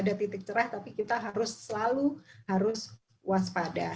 ada titik cerah tapi kita harus selalu harus waspada